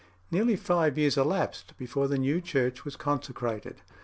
Nearly five years elapsed before the new church was consecrated.